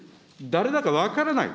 誰だか分からない。